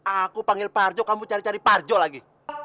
aku panggil parjo kamu cari cari parjo lagi